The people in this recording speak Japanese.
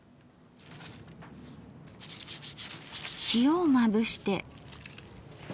塩をまぶして。